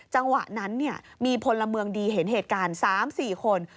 จังหวะนั้นมีพลเมืองดีเห็นเหตุการณ์๓๔คน